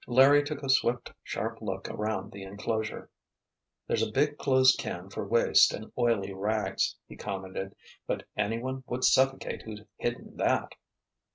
Larry took a swift, sharp look around the enclosure. "There's a big, closed can for waste and oily rags," he commented, "but anyone would suffocate who hid in that!"